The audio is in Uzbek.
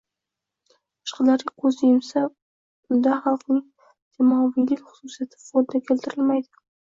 boshqalarga «ko‘z yumsa», unda xalqning jamoaviylik xususiyati foyda keltirmaydi.